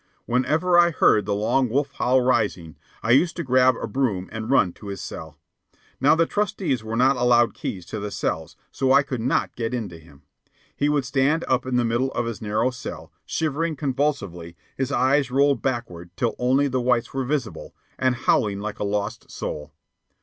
Whenever I heard the long wolf howl rising, I used to grab a broom and run to his cell. Now the trusties were not allowed keys to the cells, so I could not get in to him. He would stand up in the middle of his narrow cell, shivering convulsively, his eyes rolled backward till only the whites were visible, and howling like a lost soul.